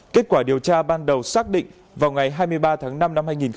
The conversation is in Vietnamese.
kết quả điều tra ban đầu xác định vào ngày hai mươi ba tháng năm năm hai nghìn hai mươi ba